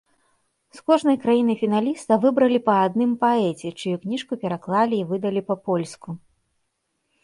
З кожнай краіны-фіналіста выбралі па адным паэце, чыю кніжку пераклалі і выдалі па-польску.